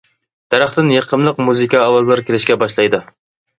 دەرەختىن يېقىملىق مۇزىكا ئاۋازلار كېلىشكە باشلايدۇ.